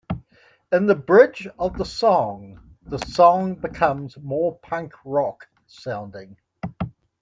In the bridge of the song, the song becomes more punk rock sounding.